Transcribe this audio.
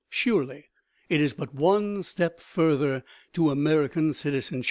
Surely it is but one step further to American citizenship!